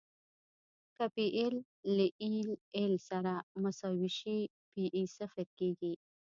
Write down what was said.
که پی ایل له ایل ایل سره مساوي شي پی ای صفر کیږي